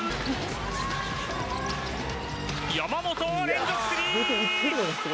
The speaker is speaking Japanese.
山本、連続スリー！